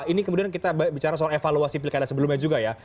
ini kemudian kita bicara soal evaluasi pilkada sebelumnya juga ya